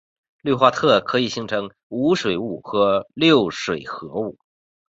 氯化铽可以形成无水物和六水合物。